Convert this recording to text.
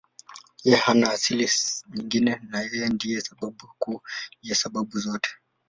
Yeye hana asili nyingine na Yeye ndiye sababu kuu ya sababu zote.